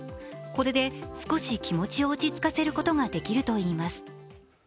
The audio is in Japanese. これで少し気持ちを落ち着かせることができるといいます。